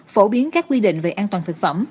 phổ biến các quy định về an toàn thực phẩm